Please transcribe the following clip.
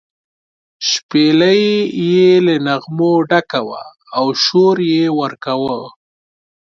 شپېلۍ یې له نغمو ډکه وه او شور یې ورکاوه.